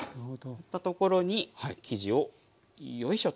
塗った所に生地をよいしょと。